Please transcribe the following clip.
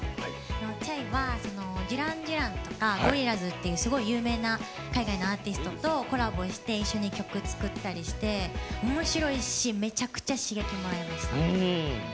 ＣＨＡＩはデュラン・デュランとかＧＯＲＩＬＬＡＺとかすごい有名な海外のアーティストとコラボして一緒に曲作ったりしておもしろいし、めちゃくちゃ刺激もありました。